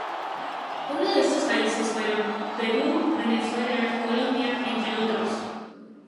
Uno de estos países fueron: Perú, Venezuela, Colombia, entre otros.